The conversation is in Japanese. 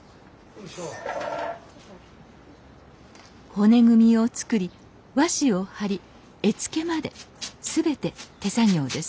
骨組みを作り和紙を貼り絵付けまで全て手作業です